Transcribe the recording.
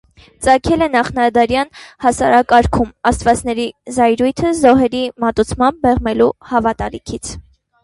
Ծագել է նախնադարյան հասարակարգում, «աստվածների զայրույթը» զոհերի մատուցմամբ մեղմելու հավատալիքից։